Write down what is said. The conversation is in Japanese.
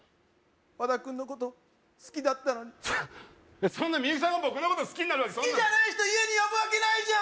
和田君のこと好きだったのにそんなミユキさんが僕のこと好きになるわけ好きじゃない人家に呼ぶわけないじゃん！